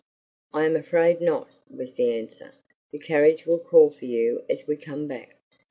"I am afraid not," was the answer. "The carriage will call for you as we come back.